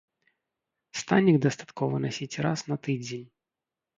Станік дастаткова насіць раз на тыдзень.